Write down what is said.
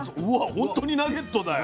本当にナゲットだよ。